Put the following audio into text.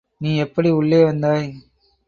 நீ எப்படி உள்ளே வந்தாய்?